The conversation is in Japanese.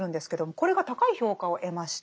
これが高い評価を得ました。